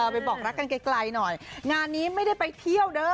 ไปบอกรักกันไกลหน่อยงานนี้ไม่ได้ไปเที่ยวเด้อ